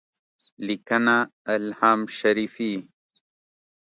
لیکنه الهام شریفي